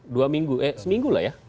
dua minggu eh seminggu lah ya